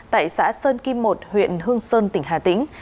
tại xã sơn kim một huyện hương sơn tỉnh hà tĩnh